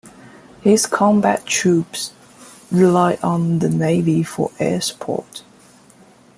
His combat troops relied on the Navy for air support.